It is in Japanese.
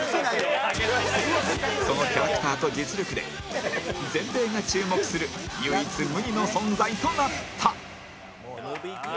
そのキャラクターと実力で全米が注目する唯一無二の存在となった